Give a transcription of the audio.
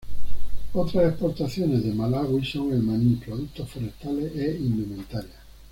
Otras exportaciones de Malaui son el maní, productos forestales e indumentarias.